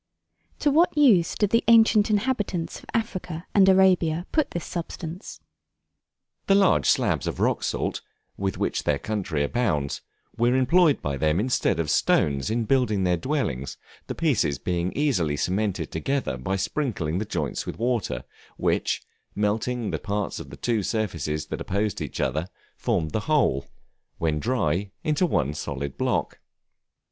To what use did the ancient inhabitants of Africa and Arabia put this substance? The large slabs of rock salt, with which their country abounds, were employed by them instead of stones, in building their dwellings, the pieces being easily cemented together by sprinkling the joints with water, which, melting the parts of the two surfaces that opposed each other, formed the whole, when dry, into one solid block.